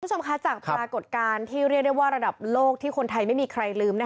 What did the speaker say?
คุณผู้ชมคะจากปรากฏการณ์ที่เรียกได้ว่าระดับโลกที่คนไทยไม่มีใครลืม